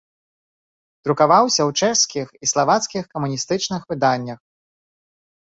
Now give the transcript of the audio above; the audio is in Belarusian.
Друкаваўся ў чэшскіх і славацкіх камуністычных выданнях.